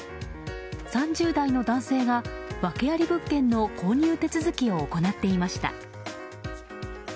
３０代の男性が訳あり物件の購入手続きを行っていました。